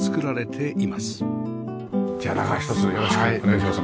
じゃあ中をひとつよろしくお願いします。